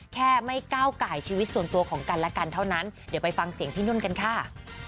แค่ไม่ก้าวไก่ชีวิตส่วนตัวของกันและกันเท่านั้นเดี๋ยวไปฟังเสียงพี่นุ่นกันค่ะ